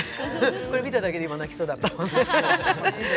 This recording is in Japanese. これを見ただけで、今、泣きそうだったもんね。